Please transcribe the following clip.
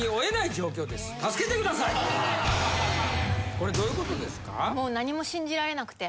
これどういうことですか？